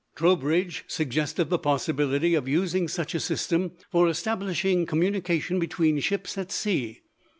Trowbridge suggested the possibility of using such a system for establishing communication between ships at sea.